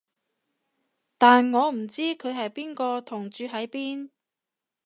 但我唔知佢係邊個同住喺邊